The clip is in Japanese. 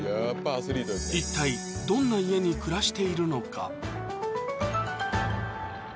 一体どんな家に暮らしているのか？